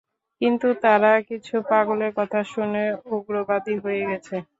কিন্তু তারা কিছু পাগলের কথা শোনে উগ্রবাদী হয়ে গেছে।